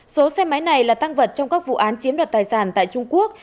số xe máy này là tăng vật trong các vụ án chiếm đoạt tài sản tại trung quốc